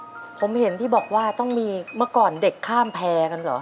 ผมเห็นที่บอกว่าต้องมีเมื่อก่อนเด็กข้ามแพร่กันเหรอ